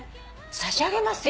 差し上げますよ。